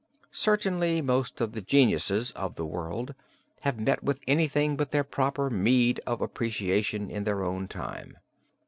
Certainly most of the geniuses of the world have met with anything but their proper meed of appreciation in their own time.